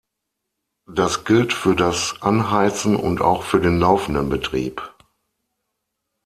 Das gilt für das Anheizen und auch für den laufenden Betrieb.